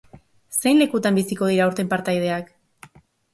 Zein lekutan biziko dira aurten partaideak?